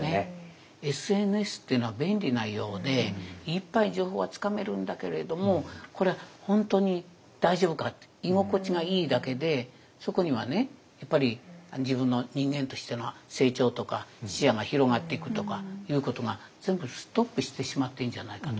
ＳＮＳっていうのは便利なようでいっぱい情報はつかめるんだけれどもこれは本当に大丈夫かって居心地がいいだけでそこにはねやっぱり自分の人間としての成長とか視野が広がっていくとかいうことが全部ストップしてしまってんじゃないかと。